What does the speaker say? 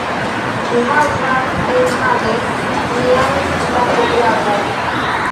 Mi havas enmane mian laserglavon.